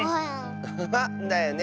アハハだよね。